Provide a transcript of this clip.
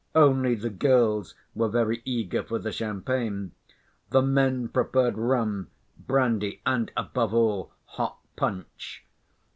Only the girls were very eager for the champagne. The men preferred rum, brandy, and, above all, hot punch.